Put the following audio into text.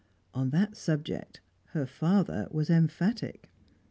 On that subject, her father was emphatic.